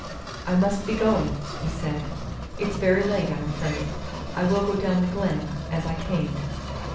"I must be going," he said; "it's very late, I'm afraid. I will go down the glen, as I came."